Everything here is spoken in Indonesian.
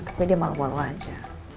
tapi dia mau mau aja